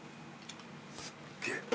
すっげえ。